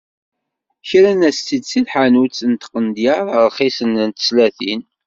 Kran-as-tt-id seg tḥanut n tqendyar rxisen n teslatin.